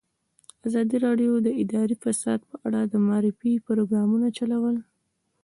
ازادي راډیو د اداري فساد په اړه د معارفې پروګرامونه چلولي.